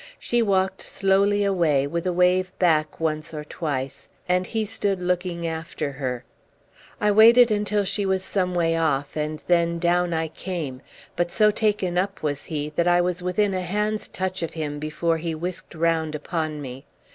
She walked slowly away, with a wave back once or twice, and he stood looking after her. I waited until she was some way off, and then down I came, but so taken up was he, that I was within a hand's touch of him before he whisked round upon me.